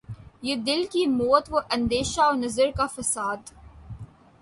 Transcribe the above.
یہ دل کی موت وہ اندیشہ و نظر کا فساد